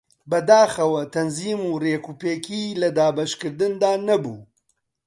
بەداخەوە تەنزیم و ڕێکوپێکی لە دابەشکردندا نەبوو